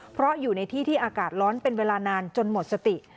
เพราะอยู่ในที่ที่อากาศร้อนเป็นเวลานานจนหมดสติ